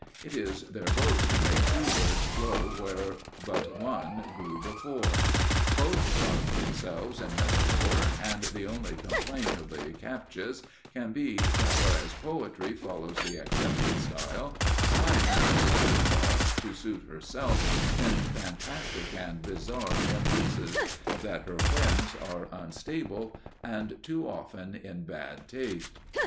It is their boast to make two words grow where but one grew before. Both garb themselves in metaphor, and the only complaint of the captious can be that whereas Poetry follows the accepted style, Slang dresses her thought to suit herself in fantastic and bizarre caprices that her whims are unstable and too often in bad taste.